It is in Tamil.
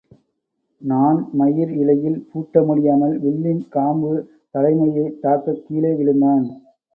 நாண் மயிர் இழையில் பூட்ட முடியாமல் வில்லின் காம்பு தலைமுடியைத் தாக்கக் கீழே விழுந்தான்.